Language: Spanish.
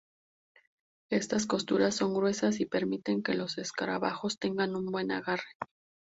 Estas costuras son gruesas y permiten que los escarabajos tengan un buen agarre.